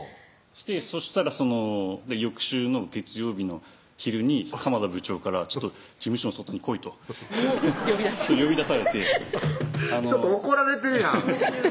そしたらその翌週の月曜日の昼に鎌田部長から「ちょっと事務所の外に来い」と呼び出し呼び出されてちょっと怒られてるやん